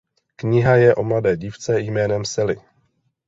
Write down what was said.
Kniha je o mladé dívce jménem Sally.